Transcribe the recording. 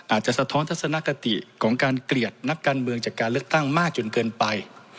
สะท้อนทัศนคติของการเกลียดนักการเมืองจากการเลือกตั้งมากจนเกินไป